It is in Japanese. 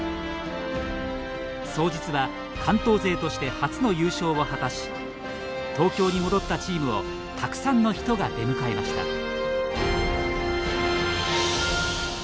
早実は関東勢として初の優勝を果たし東京に戻ったチームをたくさんの人が出迎えました。